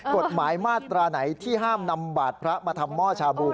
กฎหมายมาตราไหนที่ห้ามนำบาทพระมาทำหม้อชาบู